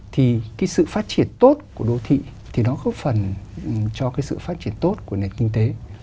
thì cái sự phát triển tốt của đô thị thì nó góp phần cho cái sự phát triển tốt của nền kinh tế